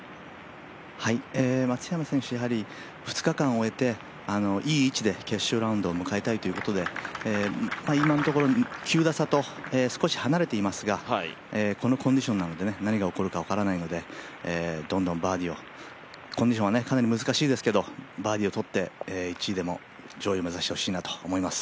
松山選手、２日間終えていい位置で決勝ラウンドを迎えたいということで今のところ９打差と少し離れていますがこのコンディションなので何が起こるか分からないので、コンディションはかなり難しいですが、バーディーを取って上位を目指してほしいなと思います。